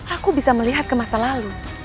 aku bisa melihat ke masa lalu